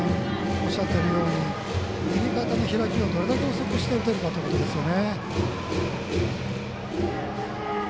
おっしゃってるように右肩の開きをどれだけ遅くして打てるかですよね。